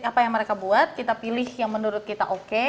apa yang mereka buat kita pilih yang menurut kita oke